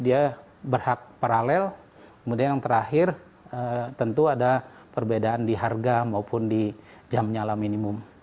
dia berhak paralel kemudian yang terakhir tentu ada perbedaan di harga maupun di jam nyala minimum